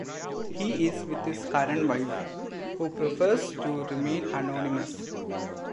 He is with his current wife, who prefers to remain anonymous.